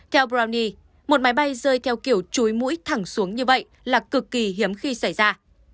theo broni một máy bay rơi theo kiểu chuối mũi thẳng xuống như vậy là cực kỳ hiếm khi xảy ra